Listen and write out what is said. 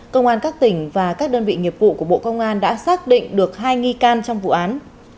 công an các tỉnh và các đơn vị nghiệp vụ của bộ công an đã xác định được hai nghi can trong vụ án